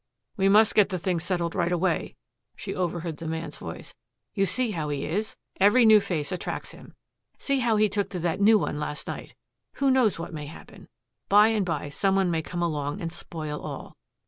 "We must get the thing settled right away," she overheard the man's voice. "You see how he is? Every new face attracts him. See how he took to that new one last night. Who knows what may happen? By and by some one may come along and spoil all."